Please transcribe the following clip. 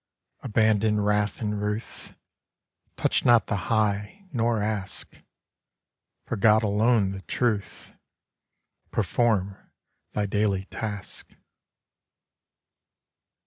Abandon Wrath and Ruth. Touch not the High, nor ask. For God alone the Truth. Perform thy daily task.